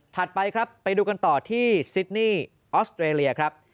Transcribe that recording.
ไปครับไปดูกันต่อที่ซิดนี่ออสเตรเลียครับ